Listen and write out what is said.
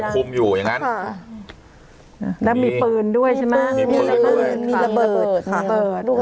มีปืนด้วยมีระเบิดค่ะ